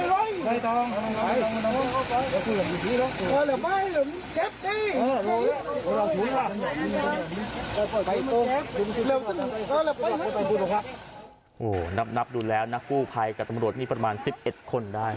โอ้โหนับดูแล้วนะกู้ภัยกับตำรวจมีประมาณ๑๑คนได้